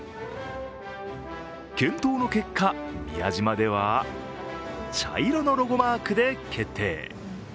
検討の結果、宮島では茶色のロゴマークで決定。